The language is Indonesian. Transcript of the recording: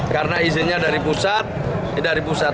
karena izinnya dari pusat